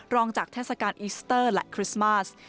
รองจากเทศกาลอีสเตอร์และคริสต์มาส